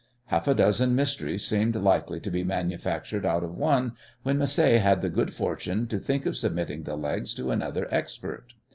Half a dozen mysteries seemed likely to be manufactured out of one, when Macé had the good fortune to think of submitting the legs to another expert.